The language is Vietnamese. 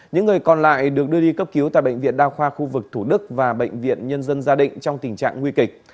những người còn lại được đưa đi cấp cứu tại bệnh viện đa khoa khu vực thủ đức và bệnh viện nhân dân gia định trong tình trạng nguy kịch